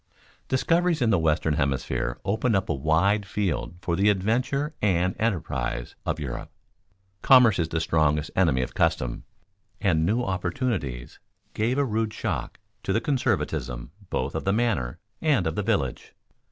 _ Discoveries in the Western hemisphere opened up a wide field for the adventure and enterprise of Europe. Commerce is the strongest enemy of custom, and new opportunities gave a rude shock to the conservatism both of the manor and of the village.